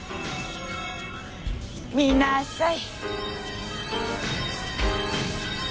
見なさい。